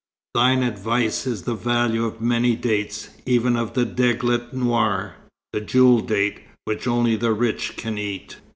"Thine advice is of the value of many dates, even of the deglet nour, the jewel date, which only the rich can eat."